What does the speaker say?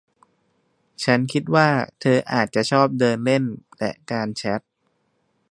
ฉันคิดว่าเธออาจจะชอบเดินเล่นและการแชท